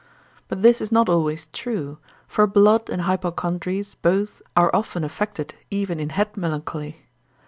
But this is not always true, for blood and hypochondries both are often affected even in head melancholy.